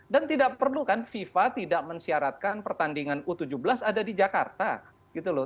dan tidak perlu kan fifa tidak mensyaratkan pertandingan u tujuh belas ada di jakarta gitu loh